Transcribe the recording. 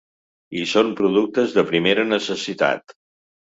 I són productes de primera necessitat.